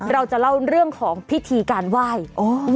เราจะเล่าเรื่องของพิธีการไหว้